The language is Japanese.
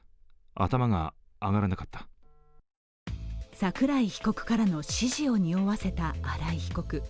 桜井被告からの指示を匂わせた新井被告。